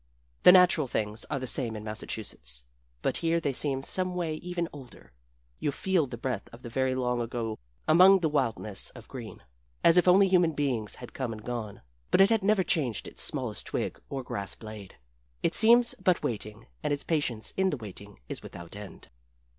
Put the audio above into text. The natural things are the same in Massachusetts but here they seem someway even older. You feel the breath of the very long ago among the wildness of green as if only human beings had come and gone, but it had never changed its smallest twig or grass blade. It seems but waiting, and its patience in the waiting is without end.